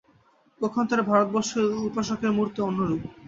পক্ষান্তরে ভারতবর্ষে উপাসকের মূর্তি অন্যরূপ।